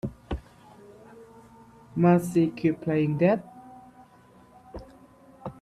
Must she keep playing that?